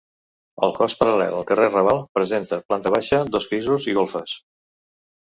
El cos paral·lel al carrer Raval presenta planta baixa, dos pisos i golfes.